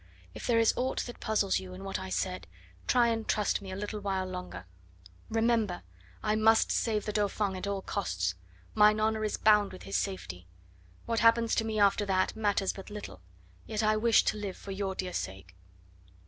If there is aught that puzzles you in what I said, try and trust me a while longer. Remember, I must save the Dauphin at all costs; mine honour is bound with his safety. What happens to me after that matters but little, yet I wish to live for your dear sake."